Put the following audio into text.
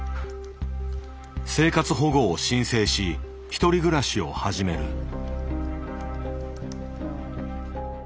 生活保護を申請し１人暮らしを始める。